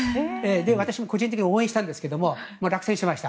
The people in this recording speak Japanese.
私も個人的に応援したんですが落選しました。